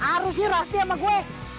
harusnya rasti sama gue